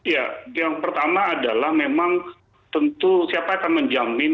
ya yang pertama adalah memang tentu siapa akan menjamin